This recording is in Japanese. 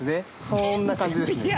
そんな感じですね。